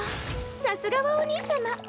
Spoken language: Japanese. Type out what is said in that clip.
さすがはお兄さま